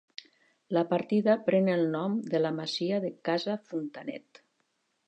La partida pren el nom de la masia de Casa Fontanet.